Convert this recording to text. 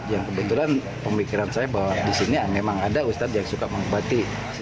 yang kebetulan pemikiran saya bahwa disini memang ada ustad yang suka mengubati